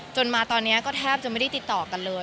มาตอนนี้ก็แทบจะไม่ได้ติดต่อกันเลย